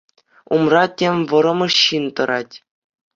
Умра тем вӑрӑмӑш ҫын тӑрать.